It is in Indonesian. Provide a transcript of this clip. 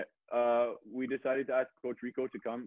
kita memutuskan untuk meminta coach rico untuk datang